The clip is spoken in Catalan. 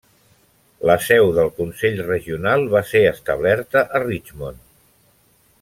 La seu del consell regional va ser establerta a Richmond.